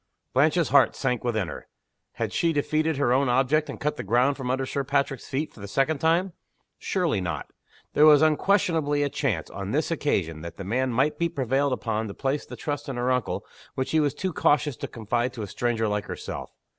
Blanche's heart sank within her. Had she defeated her own object, and cut the ground from under Sir Patrick's feet, for the second time? Surely not! There was unquestionably a chance, on this occasion, that the man might be prevailed upon to place the trust in her uncle which he was too cautious to confide to a stranger like herself.